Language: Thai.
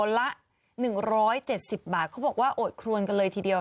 ละหนึ่งร้อยเจ็ดสิบบาทเขาบอกว่าโอดครวนกันเลยทีเดียว